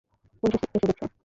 Police এসে গেছে!